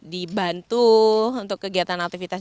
dibantu untuk kegiatan aktivitas